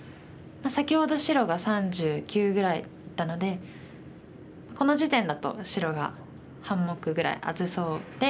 先ほど白が３９ぐらいだったのでこの時点だと白が半目ぐらい厚そうで。